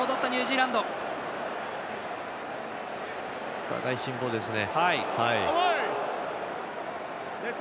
お互い、辛抱ですね。